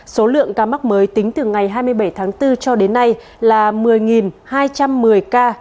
số lượng ca mắc mới tính từ ngày hai mươi bảy tháng bốn cho đến nay là một mươi hai trăm một mươi ca